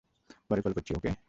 পরে কল করছি, ওকে?